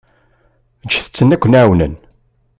Ǧǧet-ten aken-ɛawnen.